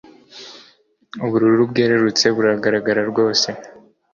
ubururu bwerurutse buragaragara rwose.